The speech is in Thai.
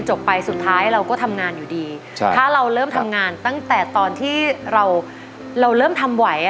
นุ๊กก็ทำงานอยู่ดีถ้าเราเริ่มทำงานตั้งแต่ตอนที่เราเริ่มทำไหว